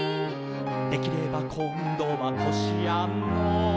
「できればこんどはこしあんの」